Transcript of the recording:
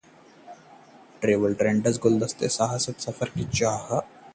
travel trends: गुदगुदाते साहसिक सफर की चाह